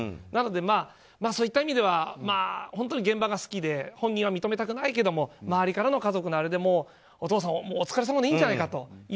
なので、そういった意味では本当に現場が好きで本人は認めなくないけれども周りの家族からもう、お父さんお疲れさまでいいんじゃないかと。